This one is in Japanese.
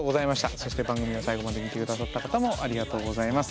そして番組を最後まで見て下さった方もありがとうございます。